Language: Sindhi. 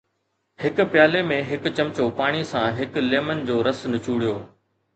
هڪ پيالي ۾ هڪ چمچو پاڻي سان هڪ ليمن جو رس نچوڙيو